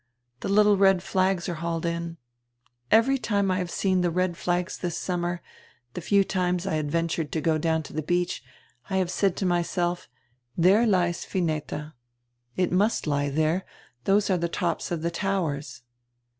The little red flags are hauled in. Every time I have seen the red flags this summer, the few times that I have ventured to go down to the heach, I have said to myself: there lies Vineta, it must lie there, those are the tops of the towers."